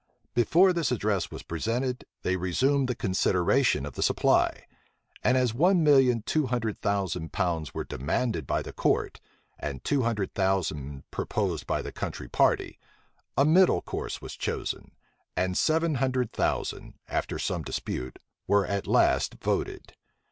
Before this address was presented, they resumed the consideration of the supply; and as one million two hundred thousand pounds were demanded by the court, and two hundred thousand proposed by the country party, a middle course was chosen, and seven hundred thousand, after some dispute, were at last voted.